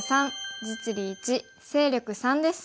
３実利１勢力３です。